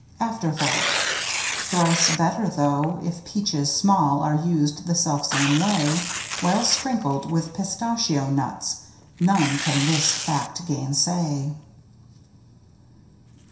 AFTERTHOUGHT Thrice better, though, if peaches small Are used the self same way. Well sprinkled with pistachio nuts — None can this fact gainsay.